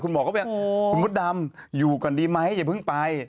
หมอก็ไปคุณมดดำอยู่ก่อนดีไหมอย่าเพิ่งไป